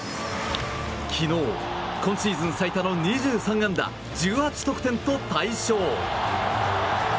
昨日、今シーズン最多の２３安打１８得点と大勝。